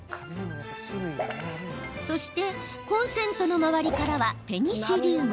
そして、コンセントの周りからはぺニシリウム。